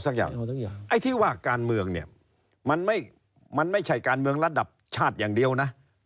คิดว่าการเมืองเนี่ยมันไม่ใช่การเมืองระดับชาติอย่างเดียวนะ